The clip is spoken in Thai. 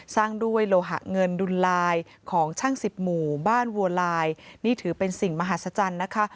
สร้างด้วยโลหะเงินดุลลายของช่างสิบหมู่บ้านวัวลายนี่ถือเป็นสิ่งมหัศจรรย์นะคะ